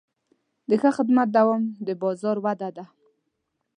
د ښه خدمت دوام د بازار وده ده.